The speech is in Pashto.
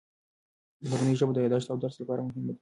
مورنۍ ژبه د یادښت او درس لپاره مهمه ده.